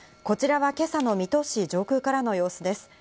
こちらは今朝の水戸市上空からの様子です。